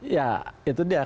ya itu dia